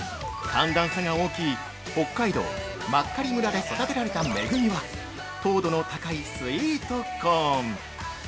寒暖差が大きい北海道真狩村で育てられた恵味は糖度の高いスイートコーン。